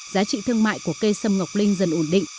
giá trị thương mại của cây sâm ngọc linh dần ổn định